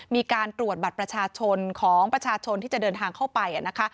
มีการตรวจบัตรประชาชนของประชาชนที่จะเดินทางเข้าไปนะคะ